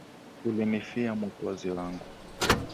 Ulinifia mwokozi wangu